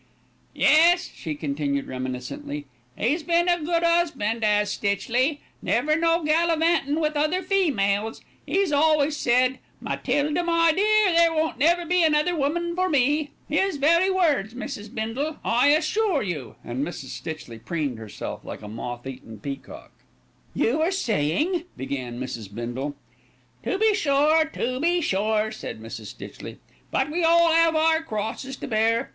"Yes," she continued reminiscently, "'e's been a good 'usbindt 'as Stitchley. Never no gallivanting with other females. 'E's always said: 'Matilda, my dear, there won't never be another woman for me.' His very words, Mrs. Bindle, I assure you," and Mrs. Stitchley preened herself like a moth eaten peacock. "You were saying " began Mrs. Bindle. "To be sure, to be sure," said Mrs. Stitchley; "but we all 'ave our crosses to bear.